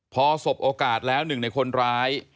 พอสบโอกาสแล้วหนึ่งในคนร้าย